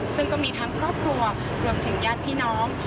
ซึ่งก็มีทั้งครอบครัวรวมถึงญาติพี่น้อง